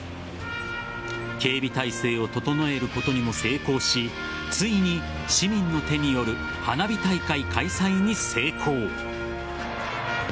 警備態勢を整えることにも成功しついに市民の手による花火大会開催に成功。